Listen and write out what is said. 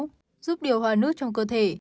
giúp điều hòa nước trong cơ thể